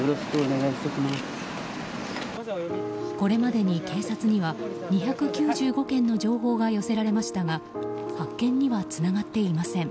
これまでに警察には２９５件の情報が寄せられましたが発見にはつながっていません。